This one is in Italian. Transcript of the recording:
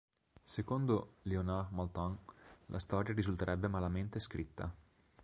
Secondo Leonard Maltin la storia risulterebbe "malamente scritta".